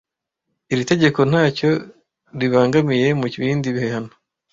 iri tegeko ntacyo ribangamiye ku bindi bihano